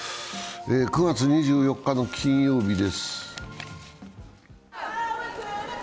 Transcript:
９月２４日の金曜日です。